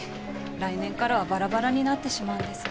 来年からはバラバラになってしまうんです。